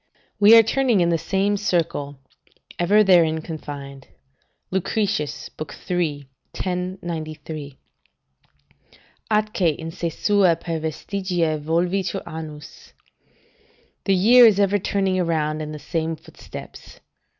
["We are turning in the same circle, ever therein confined." Lucretius, iii. 1093.] "'Atque in se sua per vestigia volvitur annus.' ["The year is ever turning around in the same footsteps."